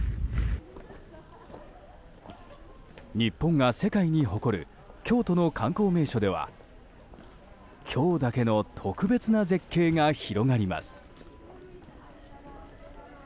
日本が世界に誇る京都の観光名所では今日だけの特別な絶景が広がります。